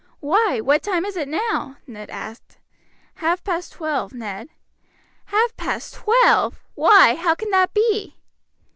"Why, what time is it now?" Ned asked. "Half past twelve, Ned." "Half past twelve! Why, how can that be?"